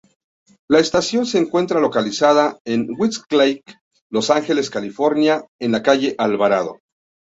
La estación se encuentra localizada en Westlake, Los Ángeles, California en la Calle Alvarado.